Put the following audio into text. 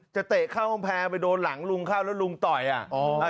เตะเข้ากำแพงไปโดนหลังลุงเข้าแล้วลุงต่อยอ่ะอ๋อ